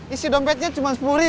isi dompetnya cuma sepuri